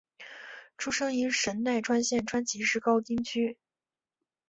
出生于神奈川县川崎市高津区。